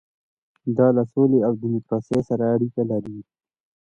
دا له سولې او ډیموکراسۍ سره اړیکه لري.